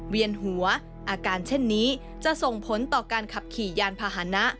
เวียนหัวอาการเช่นนี้จะส่งผลต่อการขับขี่ยานพาหนะ